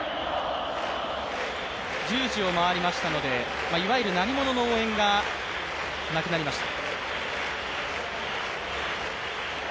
１０時を回りましたので、鳴り物の応援がなくなりました。